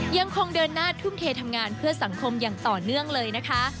ยังคงเดินหน้าทุ่มเททำงานเพื่อสังคมอย่างต่อเนื่องเลยนะคะ